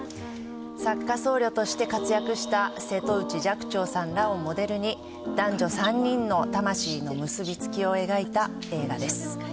作家、僧侶として活躍した瀬戸内寂聴さんらをモデルに、男女３人の魂の結び付きを描いた映画です。